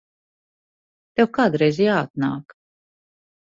Tev kādreiz jāatnāk.